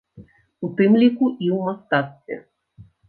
У тым ліку і ў мастацтве.